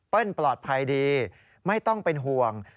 ปลอดภัยดีไม่ต้องเป็นห่วง